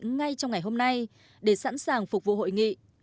ngay trong ngày hôm nay để sẵn sàng phục vụ hội nghị